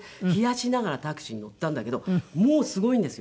冷やしながらタクシーに乗ったんだけどもうすごいんですよ。